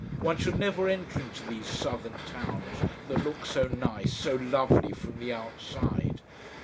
One should never enter into these southern towns that look so nice, so lovely, from the outside.